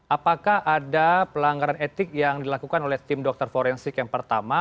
apakah ada pelanggaran etik yang dilakukan oleh tim dokter forensik yang pertama